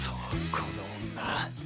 この女